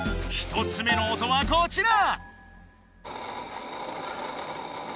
１つ目の音はこちら！